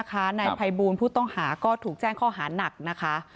นายภัยบูลผู้ต้องหาก็ถูกแจ้งข้อหานักนะคะ